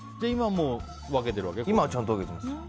今はちゃんと分けてます。